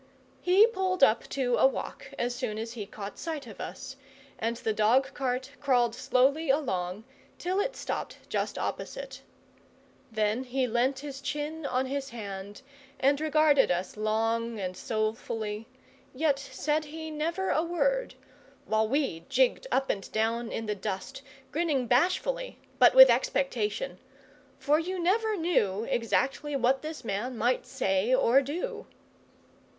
He pulled up to a walk as soon as he caught sight of us, and the dog cart crawled slowly along till it stopped just opposite. Then he leant his chin on his hand and regarded us long and soulfully, yet said he never a word; while we jigged up and down in the dust, grinning bashfully but with expectation. For you never knew exactly what this man might say or do.